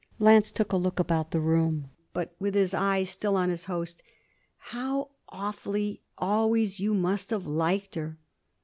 Lance took a turn about the room, but with his eyes still on his host. 'How awfully always you must have liked her!'